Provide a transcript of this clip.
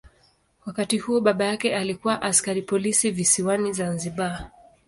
Wakati huo baba yake alikuwa askari polisi visiwani Zanzibar.